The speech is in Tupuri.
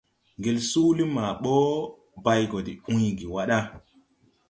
Ngel suuli maa bɔ bay go de uygi wa da.